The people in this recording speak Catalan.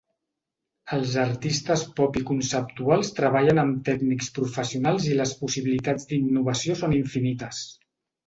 Els artistes pop i conceptuals treballen amb tècnics professionals i les possibilitats d'innovació són infinites.